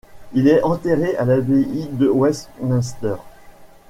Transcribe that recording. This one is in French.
Il est enterré à l'abbaye de Westminster.